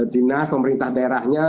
dinas pemerintah daerahnya